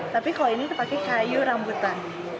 tapi kalau ini pakai kayu rambutan